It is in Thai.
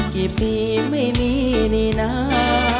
กี่ปีไม่มีนี่นะ